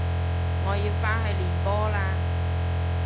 我要返去練波喇